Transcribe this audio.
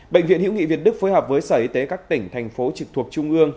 bệnh viện hữu nghị việt đức phối hợp với sở y tế các tỉnh thành phố trực thuộc trung ương